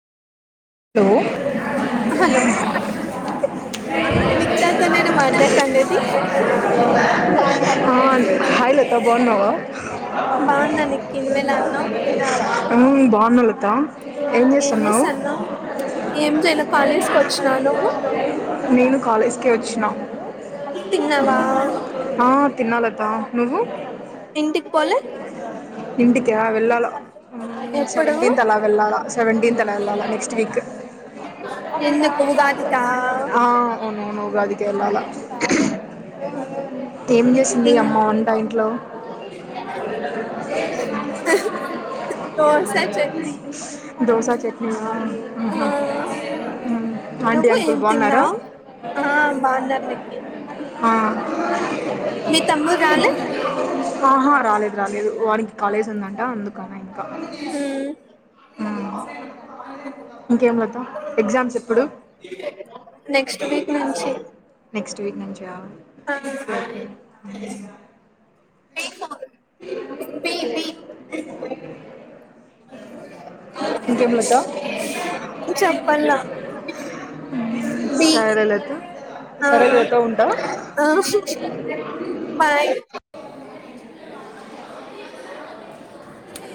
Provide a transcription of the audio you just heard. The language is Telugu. హలో నిక్తా తోనేనా మాట్లాడతాండేది బాగున్నా నిక్కి నువ్వేలా ఉన్నావ్ న్నా లతా ఎం చేస్తున్నావ్ ఏం జేయలే కాలేజీకి వచ్చినా నువ్వు నేను కాలేజీకెచ్చినా తిన్నవా ఆ నువ్వు ఇంటికా వెళ్ళాల సెవెంటీన్త్ అలా వెళ్ళాలా సెవెంటీన్త్ అలా వెళ్ళాలా నెక్స్ట్ క ఎందుక్ ఆ అవునవును ఉగాది కెళ్ళాల ఏం చేసింది అమ్మ వంట ఇంట్లో దోస చట్నీ నా ఆహా ఉ నువ్వు ఏం తిన్నావు ఆ బాగున్నారు ఆ మీ తమ్ముడు రాలే రాలేదు వానికి కాలేజి ఉందంట అందు ఇంకా ఉం ఇంకేం లత ఎగ్జామ్స్ ఎప్పుడు నెక్స్ట్ వీక్ నుంచి నెస్ట్ వక్ నుంచి ఒకే ఒకే ఇంకేమతో చెప్పలా బి బాయ్